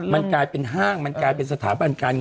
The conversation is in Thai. มันกลายเป็นห้างมันกลายเป็นสถาปัญญาณ